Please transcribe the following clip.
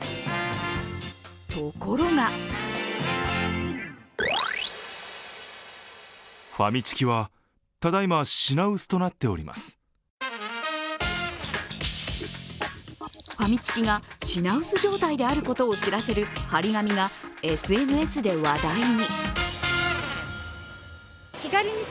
ところがファミチキが品薄状態であることを知らせる貼り紙がＳＮＳで話題に。